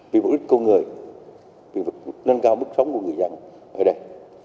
vì mục đích công người vì mục đích nâng cao mức sống của người dân ở đây